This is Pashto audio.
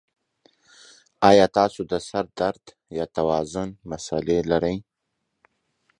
ایا تاسو د سر درد یا توازن مسلې لرئ؟